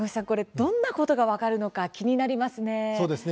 どんなことが分かるのか気になりますね。